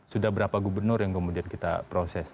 sudah berapa gubernur yang kemudian kita proses